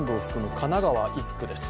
神奈川１区です。